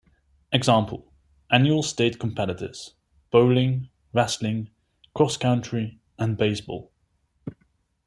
Example: Annual State competitors; Bowling, Wrestling, Cross Country and Baseball.